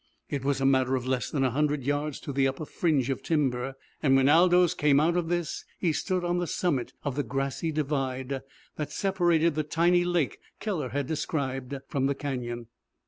It was a matter of less than a hundred yards to the upper fringe of timber, and when Aldous came out of this he stood on the summit of the grassy divide that separated the tiny lake Keller had described from the canyon.